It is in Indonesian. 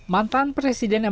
mantan presiden amerika serikat